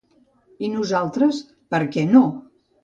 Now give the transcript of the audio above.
I nosaltres, per què no?